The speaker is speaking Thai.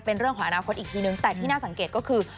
เป็นเรื่องของอนาคตอีกทีนึงแต่ที่น่าสังเกตก็คือ